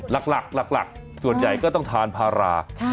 หลักหลักส่วนใหญ่ก็ต้องทานพารา